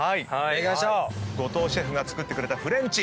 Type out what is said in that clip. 後藤シェフが作ってくれたフレンチ